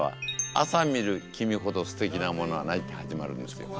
「朝見る君ほどすてきなものはない」って始まるんですけど。